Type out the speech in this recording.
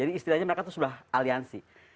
jadi istilahnya mereka tuh sudah aliansi